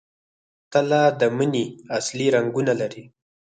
تله د مني اصلي رنګونه لري.